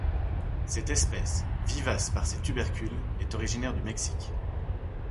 Cette espèce, vivace par ses tubercules, est originaire du Mexique.